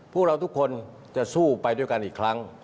พวกเราทุกคนจะสู้ไปด้วยกันอีกครั้ง